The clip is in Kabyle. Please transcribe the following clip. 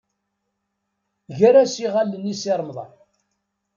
Ger-as iɣallen i Si Remḍan.